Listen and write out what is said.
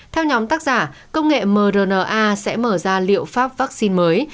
theo nhóm tác giả công nghệ mrna sẽ mở ra liệu pháp vaccine mới